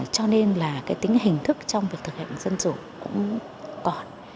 cho nên là cái tính hình thức trong việc thực hành dân chủ cũng còn